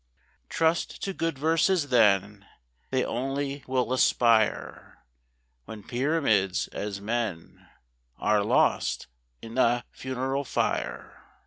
Trust to good verses then; They only will aspire, When pyramids, as men, Are lost i' th' funeral fire.